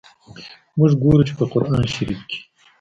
موږ ګورو چي، په قرآن شریف کي.